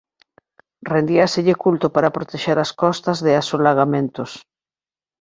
Rendíaselle culto para protexer as costas de asolagamentos.